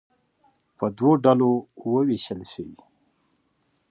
په دوو ډلو ووېشل شي.